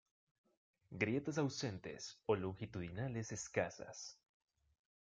Grietas ausentes o longitudinales escasas.